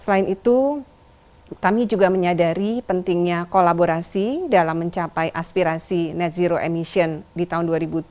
selain itu kami juga menyadari pentingnya kolaborasi dalam mencapai aspirasi net zero emission di tahun dua ribu tujuh belas